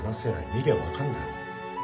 見りゃ分かんだろ